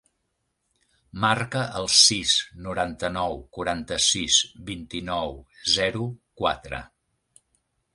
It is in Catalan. Marca el sis, noranta-nou, quaranta-sis, vint-i-nou, zero, quatre.